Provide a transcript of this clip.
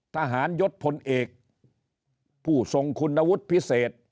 ทหารยศพลเอกผู้ทรงคุณวุฒิพิเศษ